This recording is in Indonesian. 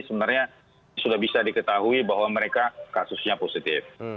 sebenarnya sudah bisa diketahui bahwa mereka kasusnya positif